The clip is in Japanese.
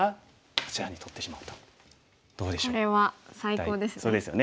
これは最高ですね。